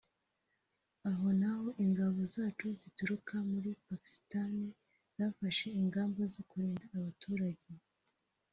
Aho naho ingabo zacu zituruka muri Pakistan zafashe ingamba zo kurinda abaturage